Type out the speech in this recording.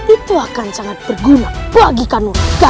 itu akan sangat berguna bagikan warga